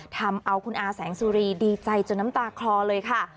ทำเอาคุณอาแสงสุรีดีใจจนน้ำตาคลอเลยค่ะ